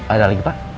ada lagi pak